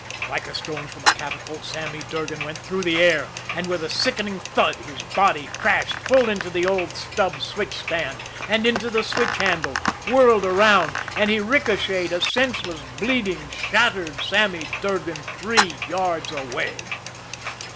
Like a stone from a catapult, Sammy Durgan went through the air, and with a sickening thud his body crashed full into the old stub switch stand and into the switch handle, whirled around, and he ricochetted, a senseless, bleeding, shattered Sammy Durgan, three yards away.